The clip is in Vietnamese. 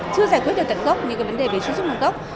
chưa giải quyết được tận gốc những cái vấn đề về sử dụng tận gốc